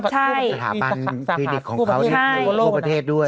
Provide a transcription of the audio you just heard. สถาบันคลินิกของเขาทั่วประเทศด้วย